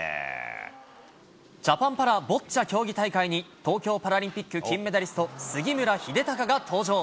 ジャパンパラボッチャ競技大会に東京パラリンピック金メダリスト、杉村英孝が登場。